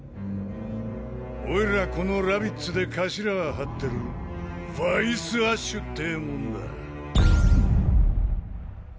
おいらこのラビッツで頭張ってるヴァイスアッシュって者だ。